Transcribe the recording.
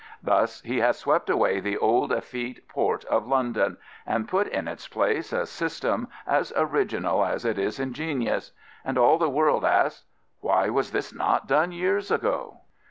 Thus he has swept away the old, eflete Port of London, and put in its place a system as original as it is ingenious. And all the world asks. Why was this not done years ago